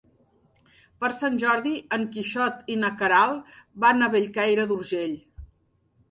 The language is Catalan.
Per Sant Jordi en Quixot i na Queralt van a Bellcaire d'Urgell.